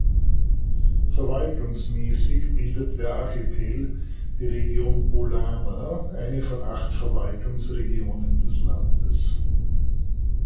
Verwaltungsmäßig bildet der Archipel die Region Bolama, eine von acht Verwaltungsregionen des Landes.